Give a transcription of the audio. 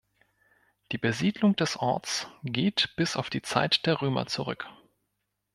Die Besiedlung des Orts geht bis auf die Zeit der Römer zurück.